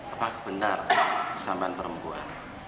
apa benar kesambahan perempuan